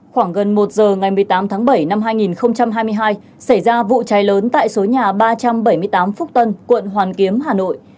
khoảng gần một giờ ngày một mươi tám tháng bảy năm hai nghìn hai mươi hai xảy ra vụ cháy lớn tại số nhà ba trăm bảy mươi tám phúc tân quận hoàn kiếm hà nội